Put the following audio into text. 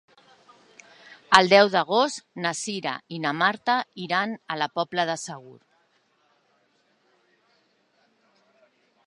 El deu d'agost na Cira i na Marta iran a la Pobla de Segur.